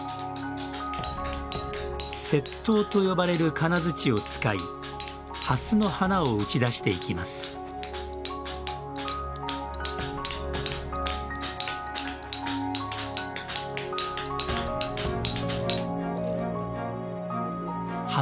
石頭と呼ばれる金づちを使いはすの花を打ち出していきます。